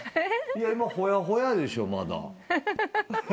今ほやほやでしょまだ。